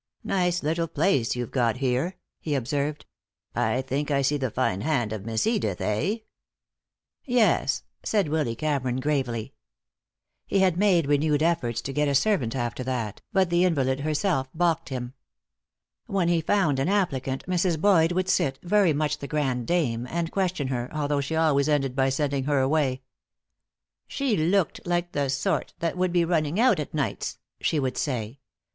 "Nice little place you've got here," he observed. "I think I see the fine hand of Miss Edith, eh?" "Yes," said Willy Cameron, gravely. He had made renewed efforts to get a servant after that, but the invalid herself balked him. When he found an applicant Mrs. Boyd would sit, very much the grande dame, and question her, although she always ended by sending her away. "She looked like the sort that would be running out at nights," she would say.